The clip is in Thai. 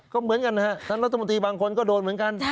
ก็เหมือนกันนะฮะท่านรัฐมนตรีบางคนก็โดนเหมือนกัน